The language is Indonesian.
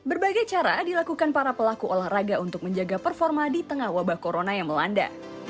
berbagai cara dilakukan para pelaku olahraga untuk menjaga performa di tengah wabah corona yang melanda